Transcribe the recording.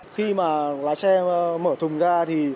khi mà lái xe mở thùng ra